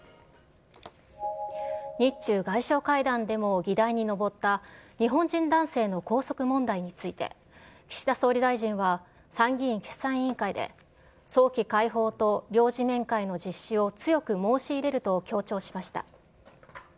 日中外相会談でも議題に上った日本人男性の拘束問題について、岸田総理大臣は、参議院決算委員会で、早期解放と領事面会の実施を強く申し入れると強調しました。